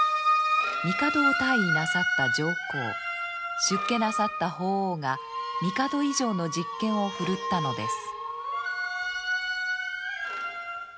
帝を退位なさった上皇出家なさった法皇が帝以上の実権を振るったのです。